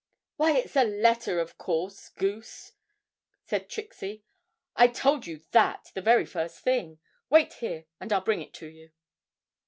'Why, it's a letter of course, goose!' said Trixie. 'I told you that the very first thing: wait here, and I'll bring it to you.'